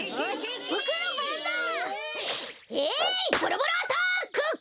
ボロボロアタック！